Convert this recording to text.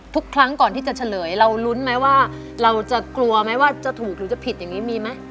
ทุกครั้งก่อนที่จะเฉลยเรารุ้นไหมว่าเราจะกลัวไหมว่าจะถูกหรือจะผิดอย่างนี้มีไหม